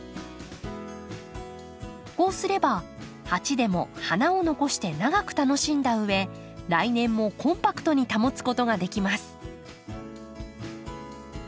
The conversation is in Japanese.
こうすれば鉢でも花を残して長く楽しんだうえ来年もコンパクトに保つことができます。